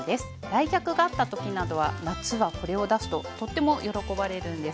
来客があった時などは夏はこれを出すととっても喜ばれるんです。